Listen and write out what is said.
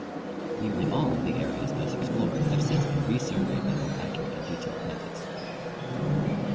Nearly all of the areas thus explored have since been resur veyed by more accurate and detailed. methods.